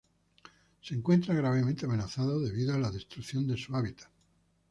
Se encuentra gravemente amenazado debido a la destrucción de su hábitat.